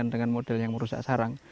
dengan model yang merusak sarang